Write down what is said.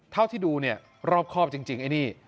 เท่าที่ดูเนี่ยรอบครอบจริงไอ้นี่